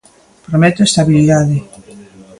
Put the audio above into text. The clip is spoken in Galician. Promete estabilidade.